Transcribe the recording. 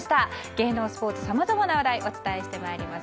芸能、スポーツさまざまな話題をお伝えしてまいります。